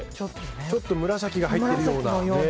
ちょっと紫が入ってるような。